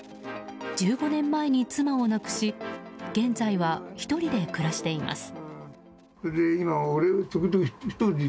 １５年間に妻を亡くし現在は１人で暮らしています。